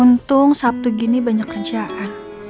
untung sabtu gini banyak kerjaan